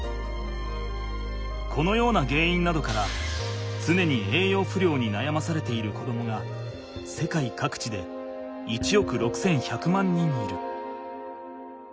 このようなげんいんなどからつねに栄養不良になやまされている子どもが世界各地で１億６，１００万人いる。